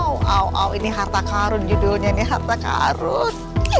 oh ini harta karun judulnya ini harta karun